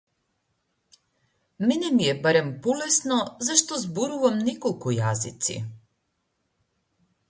Мене ми е барем полесно зашто зборувам неколку јазици.